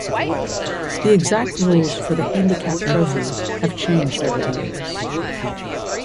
The exact rules for the handicap trophy have changed over the years.